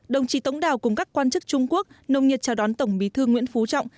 đồng chí tống đào cùng các quan chức trung quốc nồng nhiệt chào đón tổng bí thư nguyễn phú trọng